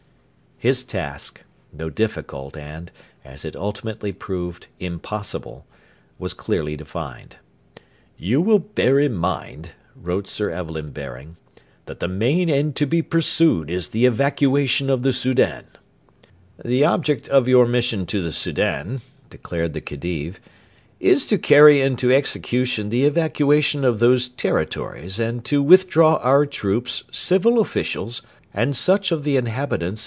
His task, though difficult and, as it ultimately proved, impossible, was clearly defined. 'You will bear in mind,' wrote Sir Evelyn Baring, 'that the main end to be pursued is the evacuation of the Soudan.' 'The object... of your mission to the Soudan,' declared the Khedive, 'is to carry into execution the evacuation of those territories and to withdraw our troops, civil officials, and such of the inhabitants...